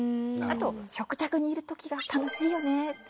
あと「食卓にいる時が楽しいよね」